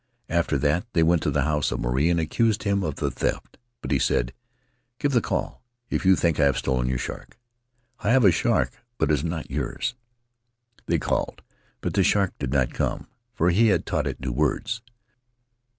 After that they went to the house of Maruae and accused him of the theft; but he said: 'Give the call, if you think I have stolen your shark. I have a shark, but it is not yours/ They called, but the shark did not come, for he had taught it new words.